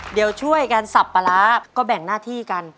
เดี๋ยวช่วยกันสับปลาร้าก็แบ่งหน้าที่กัน